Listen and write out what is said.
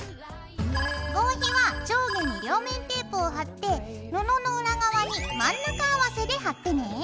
合皮は上下に両面テープを貼って布の裏側に真ん中合わせで貼ってね。